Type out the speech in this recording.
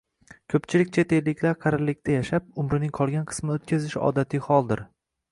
Ko'pchilik chet elliklar qarilikda yashab, umrining qolgan qismini o'tkazishi odatiy holdir